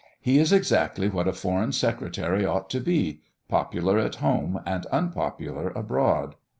He is exactly what a Foreign Secretary ought to be, popular at home and unpopular abroad.